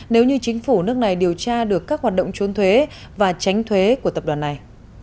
nếu như chính phủ nước này điều tra được các hoạt động trốn thuế và tránh thuế của tập đoàn này